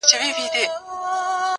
• تنها نوم نه چي خِصلت مي د انسان سي,